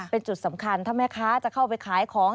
เป็นจุดสำคัญถ้าแม่ค้าจะเข้าไปขายของ